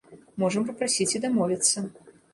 Можам папрасіць і дамовіцца.